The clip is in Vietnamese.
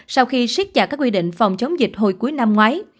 sau khi siết chặt các quy định phòng chống dịch hồi cuối năm ngoái